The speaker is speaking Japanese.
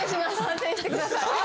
反省してください。